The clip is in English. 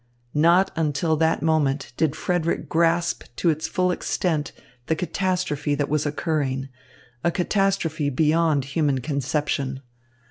Not until that moment did Frederick grasp to its full extent the catastrophe that was occurring, a catastrophe beyond human conception.